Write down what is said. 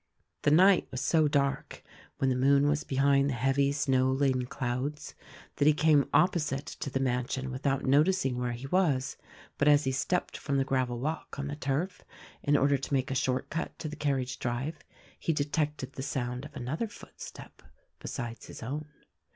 The night was so dark — when the moon was behind the heavy, snow laden clouds — that he came opposite to the mansion without noticing where he was ; but as he stepped from the gravel walk on the turf — in order to make a short cut to the carriage drive — he detected the sound of another footstep besides his own.